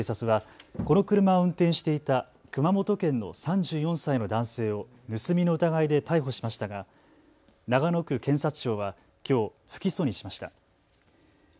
警察はこの車を運転していた熊本県の３４歳の男性を盗みの疑いで逮捕しましたが長野区検察庁はきょう不起訴にしました。